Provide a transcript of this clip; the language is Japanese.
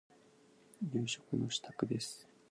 夕食の支度です。